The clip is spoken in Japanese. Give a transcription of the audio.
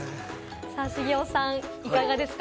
茂雄さん、いかがですか？